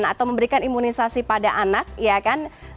atau memberikan imunisasi pada anak ya kan